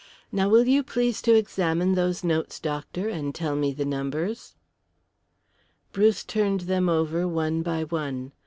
Now, will you please to examine those notes, doctor, and tell me the numbers?" Bruce turned them over one by one.